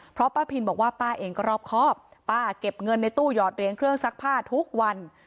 เพราะป้าพินบอกว่าป้าเองก็รอบครอบป้าเก็บเงินในตู้หยอดเหรียญเครื่องซักผ้าทุกวัน